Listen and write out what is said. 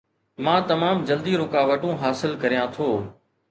مان تمام جلدي رڪاوٽون حاصل ڪريان ٿو